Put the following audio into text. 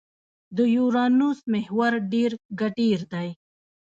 د یورانوس محور ډېر کډېر دی.